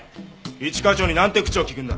一課長になんて口を利くんだ。